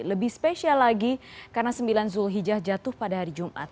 lebih spesial lagi karena sembilan zul hijah jatuh pada hari jum'at